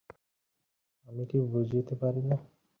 আমি কি বুঝিতে পারি না?